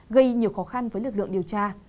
gây nhiều khó khăn với lực lượng điều tra